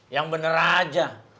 yang bener aja